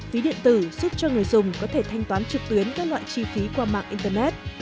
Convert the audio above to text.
ví điện tử giúp cho người dùng có thể thanh toán trực tuyến các loại chi phí qua mạng internet